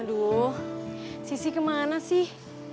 aduh sissy kemana sih